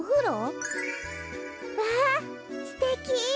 わあすてき！